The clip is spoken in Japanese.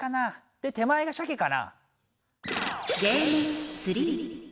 で手前がシャケかな。